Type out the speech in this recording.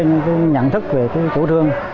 những nhận thức về chủ trương